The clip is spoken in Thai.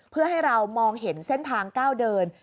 เพื่อให้เรามองเห็นเส้นทางก้าวเดิน